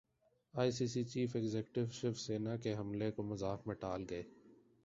ائی سی C chief executive شوسینا کے حملے کو مذاق میں ٹال گئے